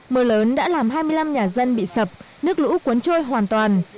mưa lớn đã làm hai mươi năm nhà dân bị sập nước lũ cuốn trôi hoàn toàn